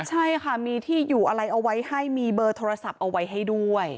ใช่ค่ะมีที่อยู่อะไรเอาไว้ให้มีเบอร์โทรศัพท์เอาไว้ให้ด้วย